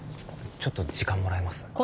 ちょっと時間もらえます？